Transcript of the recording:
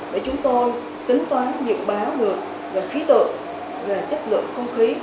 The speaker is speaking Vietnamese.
về khí tượng về chất lượng không khí